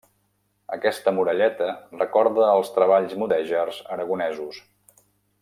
Aquesta muralleta recorda als treballs mudèjars aragonesos.